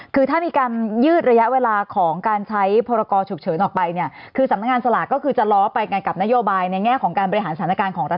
คือถ้ามีการยืดระยะเวลาของการใช้ภูติเชื้อติดในอัตราเร่ง